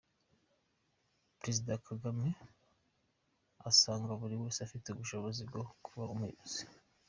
Perezida Kagame asanga buri wese afite ubushobozi bwo kuba Umuyobozi